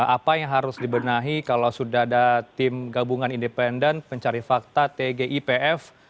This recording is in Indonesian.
apa yang harus dibenahi kalau sudah ada tim gabungan independen pencari fakta tgipf